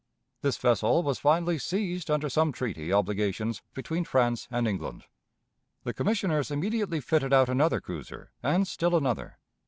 This vessel was finally seized under some treaty obligations between France and England. The Commissioners immediately fitted out another cruiser, and still another.